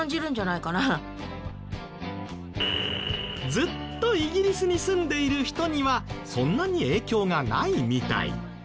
ずっとイギリスに住んでいる人にはそんなに影響がないみたい。